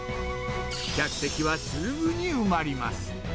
客席はすぐに埋まります。